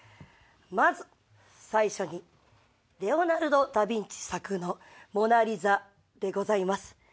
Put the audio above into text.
まず最初にレオナルド・ダビンチ作の『モナリザ』でございます。